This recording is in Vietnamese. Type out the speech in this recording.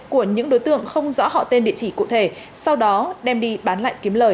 của những đối tượng không rõ họ tên địa chỉ cụ thể sau đó đem đi bán lại kiếm lời